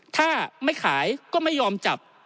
ถ้าไม่ขายก็ไม่ยอมจับ